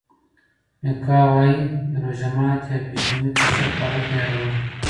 میکا وايي روژه ماتي او پیشلمي ته ښه خواړه تیاروي.